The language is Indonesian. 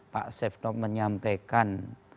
pak sefnok menyampaikan